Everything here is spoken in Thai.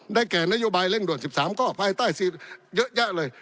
แก่นโยบายเร่งด่วน๑๓ข้อภายใต้สิทธิ์เยอะแยะเลย